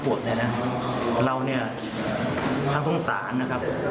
คนเด็กห้าปวดเนี่ยนะเราเนี่ยทั้งท่องศาลนะครับ